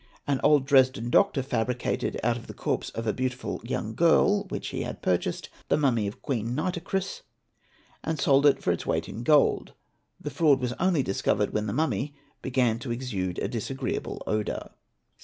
An old Dresden doctor fabricated, out of the corpse of a beautiful young girl which he had purchased, the mummy of Queen _ Nitokris and sold it for its weight in gold; the fraud was only discovered when the mummy began to exude a disagreeable odour.